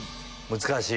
難しい。